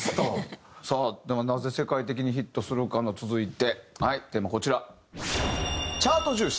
さあではなぜ世界的にヒットするかの続いてテーマこちら。